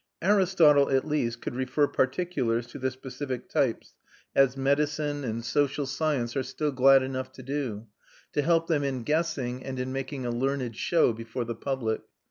Aristotle at least could refer particulars to their specific types, as medicine and social science are still glad enough to do, to help them in guessing and in making a learned show before the public.